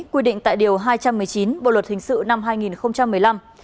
quy định tại điều hai trăm một mươi chín bộ luật hình sự năm hai nghìn một mươi năm